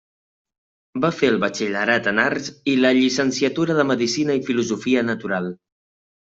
Va fer el batxillerat en Arts i la llicenciatura de Medicina i Filosofia Natural.